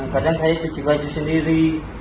kadang saya cuci baju sendiri